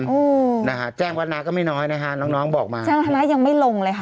โอ้โหนะฮะแจ้งวัฒนาก็ไม่น้อยนะฮะน้องน้องบอกมาแจ้งวัฒนายังไม่ลงเลยค่ะ